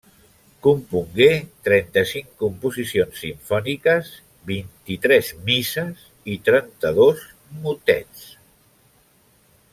Compongué trenta-cinc composicions simfòniques, vint-i-tres misses i trenta-dos motets.